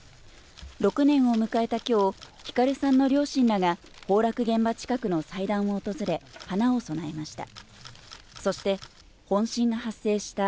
６年を迎えた今日、晃さんの両親らが崩落現場近くの祭壇を訪れ、花を供えました。